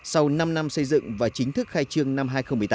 sau năm năm xây dựng và chính thức khai trương năm hai nghìn một mươi tám